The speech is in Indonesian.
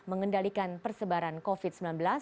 mengendalikan persebaran covid sembilan belas